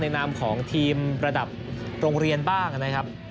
นามของทีมระดับโรงเรียนบ้างนะครับ